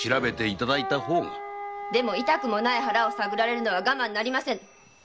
痛くもない腹を探られるのは我慢なりませぬ。